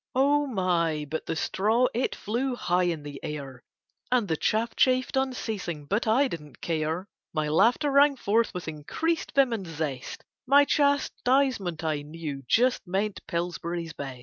Oh my! but the straw, it flew high in the air And the chaff chaffed unceasing, but I didn't care, My laughter rang forth with increased vim and zest, My chastisement I knew just meant Pillsbury's Best.